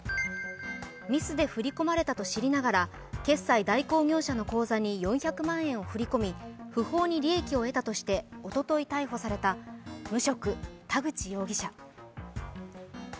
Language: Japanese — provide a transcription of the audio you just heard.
ミスで振り込まれたと知りながら決済代行業者の口座に４００万円を振り込み不法に利益を得たとしておととい逮捕された無職・田口容疑者。